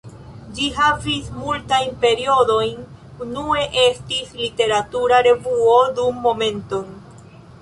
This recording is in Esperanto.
Ĝi havis multajn periodojn, unue estis literatura revuo dum Momenton!